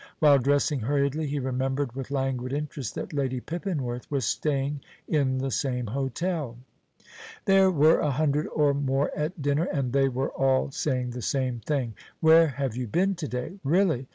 While dressing hurriedly he remembered with languid interest that Lady Pippinworth was staying in the same hotel. There were a hundred or more at dinner, and they were all saying the same thing: "Where have you been to day?" "Really!